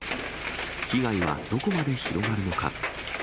被害はどこまで広がるのか。